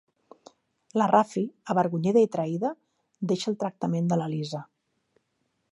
La Rafi, avergonyida i traïda, deixa el tractament de la Lisa.